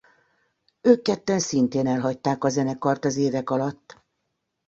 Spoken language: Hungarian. Ők ketten szintén elhagyták a zenekart az évek alatt.